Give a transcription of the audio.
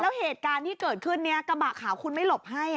แล้วเหตุการณ์ที่เกิดขึ้นนี้กระบะขาวคุณไม่หลบให้